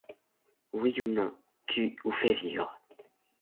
Oui ou non, tue ou fais vivre !